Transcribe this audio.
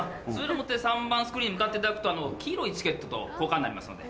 ３番スクリーンに向かっていただくと黄色いチケットと交換になりますので。